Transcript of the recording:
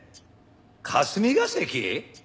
霞が関！？